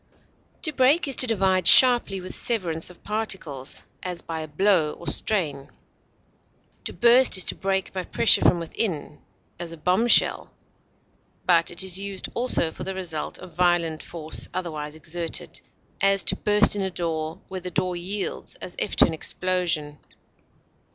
To break is to divide sharply, with severance of particles, as by a blow or strain. To burst is to break by pressure from within, as a bombshell, but it is used also for the result of violent force otherwise exerted; as, to burst in a door, where the door yields as if to an explosion.